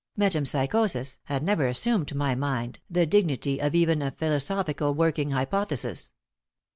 Metempsychosis had never assumed to my mind the dignity of even a philosophical working hypothesis.